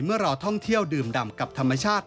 เมื่อรอท่องเที่ยวดื่มดำกับธรรมชาติ